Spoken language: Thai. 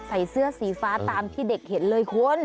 ใส่เสื้อสีฟ้าตามที่เด็กเห็นเลยคุณ